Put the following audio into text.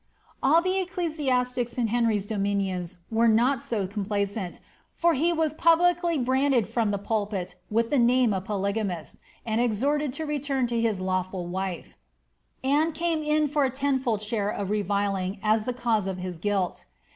"' All the ecclesiastics in Henry's dominions were not so complaisant, for he was publicly branded from the pulpit with the name of a polyga mist, and exhorted to return to his lawful wife. Anne came in for a ten fold share of reviling as the cause of his guilt.